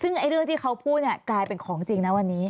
ซึ่งเรื่องที่เขาพูดเนี่ยกลายเป็นของจริงนะวันนี้